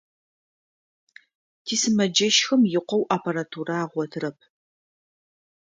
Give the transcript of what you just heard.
Тисымэджэщхэм икъоу аппаратурэ агъотыгъэп.